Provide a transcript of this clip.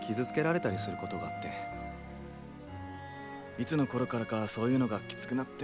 いつのころからかそういうのがきつくなって。